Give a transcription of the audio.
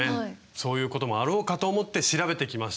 そういうこともあろうかと思って調べてきました。